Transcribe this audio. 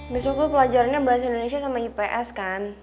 besok tuh pelajarannya bahasa indonesia sama ips kan